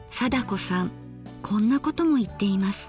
貞子さんこんなことも言っています。